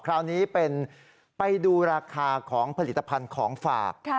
คราวนี้ไปดูราคาของผลิตภัณฑ์ของฝาก